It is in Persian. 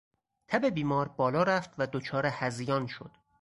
تب بیمار بالا رفت و دچار هذیان شد.